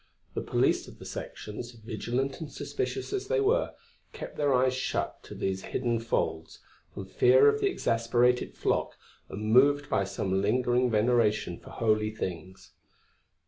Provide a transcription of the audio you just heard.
The police of the Sections, vigilant and suspicious as they were, kept their eyes shut to these hidden folds, from fear of the exasperated flock and moved by some lingering veneration for holy things.